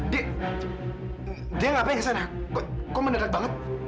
dia dia ngapain kesana kok kok mendedet banget